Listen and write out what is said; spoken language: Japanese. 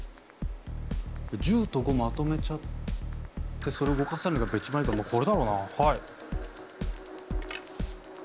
１０と５まとめちゃってそれ動かせんのがやっぱ一番いいからこれだろうなはい。